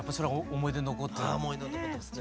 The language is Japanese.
思い出に残ってますね。